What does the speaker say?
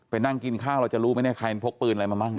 ไปนั่งกินข้าวเราจะรู้ไหม